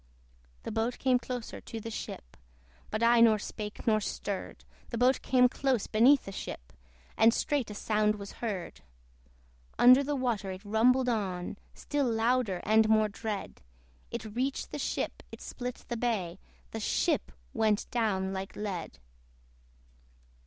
The boat came closer to the ship, But I nor spake nor stirred; The boat came close beneath the ship, And straight a sound was heard. Under the water it rumbled on, Still louder and more dread: It reached the ship, it split the bay; The ship went down like lead.